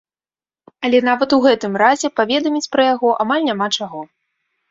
Але нават ў гэтым разе паведаміць пра яго амаль няма чаго.